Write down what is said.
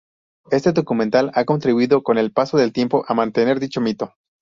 Este documental ha contribuido con el paso del tiempo a mantener dicho mito.